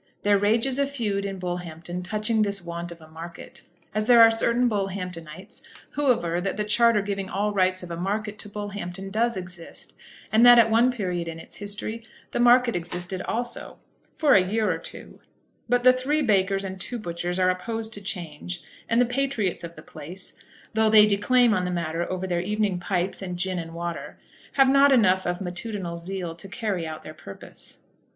There rages a feud in Bullhampton touching this want of a market, as there are certain Bullhamptonites who aver that the charter giving all rights of a market to Bullhampton does exist; and that at one period in its history the market existed also, for a year or two; but the three bakers and two butchers are opposed to change; and the patriots of the place, though they declaim on the matter over their evening pipes and gin and water, have not enough of matutinal zeal to carry out their purpose.